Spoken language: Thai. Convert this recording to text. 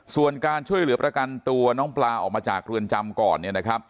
ส่วนการช่วยเหลือประกันตัวน้องปลาออกมาจากเรือนจำก่อน